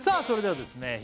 それではですね